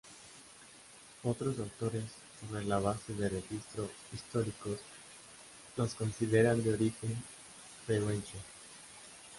Otros autores, sobre la base de registros históricos, los consideran de origen pehuenche.